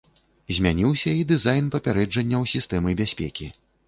Змяніўся і дызайн папярэджанняў сістэмы бяспекі.